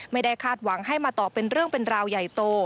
คาดหวังให้มาตอบเป็นเรื่องเป็นราวใหญ่โต